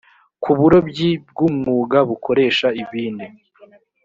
ku burobyi bw umwuga bukoresha ibindi